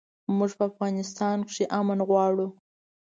موږ په افغانستان کښې امن غواړو